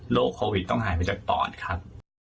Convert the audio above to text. โควิดต้องหายไปจากปอดครับ